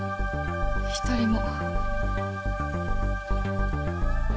一人も